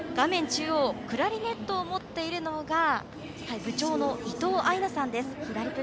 中央、クラリネットを持っているのが部長のいとうあいなさんです。